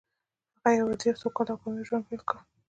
هغه يو عادي او سوکاله او کامياب ژوند پيل کړ.